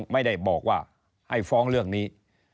ไม่ได้บอกว่าให้ฟ้องเรื่องนี้